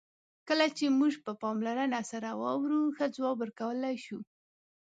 کله چې موږ په پاملرنه سره واورو، ښه ځواب ورکولای شو.